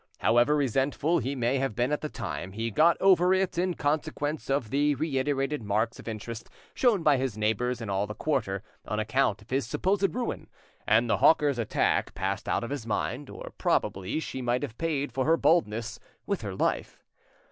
However resentful he may have been at the time, he got over it in consequence of the reiterated marks of interest shown by his neighbours and all the quarter on account of his supposed ruin, and the hawker's attack passed out of his mind, or probably she might have paid for her boldness with her life.